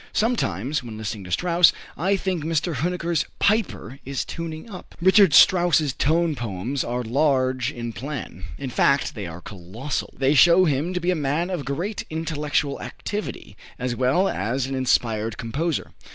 Sometimes, when listening to Strauss, I think Mr. Huneker's Piper is tuning up. Richard Strauss's tone poems are large in plan. In fact they are colossal. They show him to be a man of great intellectual activity, as well as an inspired composer.